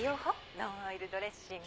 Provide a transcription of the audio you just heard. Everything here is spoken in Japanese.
ノンオイルドレッシング。